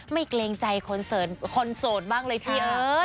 ไม่เกร็งใจขอนโสดบ้างเลยพี่เอ๋ย